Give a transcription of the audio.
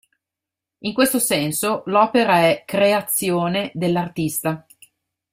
In questo senso, l'opera è "creazione" dell'artista.